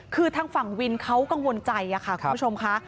คือทางฝั่งวินเขากังวลใจค่ะคุณผู้ชมค่ะ